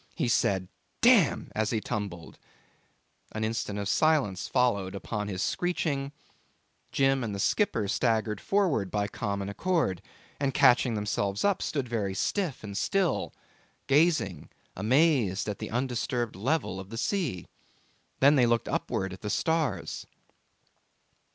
He said 'Damn!' as he tumbled; an instant of silence followed upon his screeching: Jim and the skipper staggered forward by common accord, and catching themselves up, stood very stiff and still gazing, amazed, at the undisturbed level of the sea. Then they looked upwards at the stars.